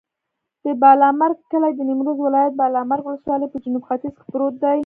د بالامرګ کلی د نیمروز ولایت، بالامرګ ولسوالي په جنوب ختیځ کې پروت دی.